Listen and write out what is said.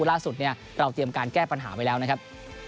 ล่าสุดเนี่ยเราเตรียมการแก้ปัญหาไว้แล้วนะครับ